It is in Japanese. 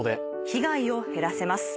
被害を減らせます。